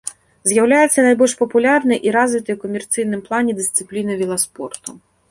З'яўляецца найбольш папулярнай і развітай у камерцыйным плане дысцыплінай веласпорту.